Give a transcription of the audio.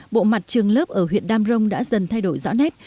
bộ mặt trường lớp ở huyện đam rông đã dần thay đổi rõ nét